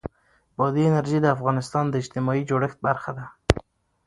بادي انرژي د افغانستان د اجتماعي جوړښت برخه ده.